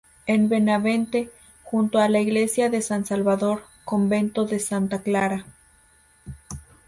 En Benavente, junto a la iglesia de San salvador, convento de Santa Clara.